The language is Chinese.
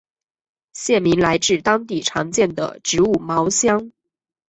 县名来自当地常见的植物茅香。